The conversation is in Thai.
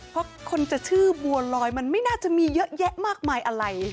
เพราะคนจะชื่อบัวลอยมันไม่น่าจะมีเยอะแยะมากมายอะไร